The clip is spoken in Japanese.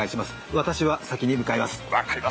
私は先に向かいます。